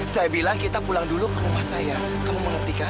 saya bilang kita pulang dulu ke rumah saya kamu mengertikan